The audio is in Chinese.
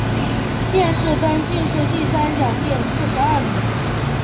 殿试登进士第三甲第四十二名。